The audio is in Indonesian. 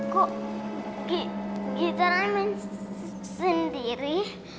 kok gitaranya main sendiri